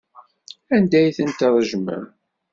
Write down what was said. Anda ay tent-tṛejmem?